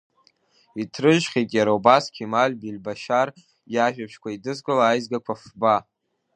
Иҭрыжьхьеит иара убас Қьемаль Бильбашьар иажәабжьқәа еидызкыло аизгақәа фба.